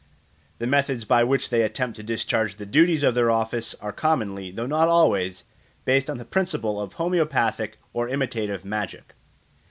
The methods by which they attempt to discharge the duties of their office are commonly, though not always, based on the principle of homoeopathic or imitative magic.